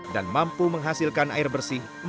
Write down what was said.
dan mampu menghasilkan air bersih empat ratus liter setiap jam